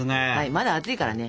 まだ暑いからね